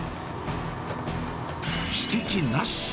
指摘なし。